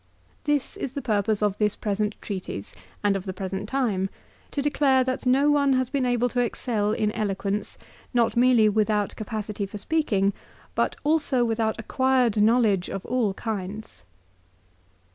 "This is the purpose of this present treatise, and of the present time, to declare that no one has been able to excel in eloquence, not merely without capacity for speak ing, but also without acquired knowledge of all kinds."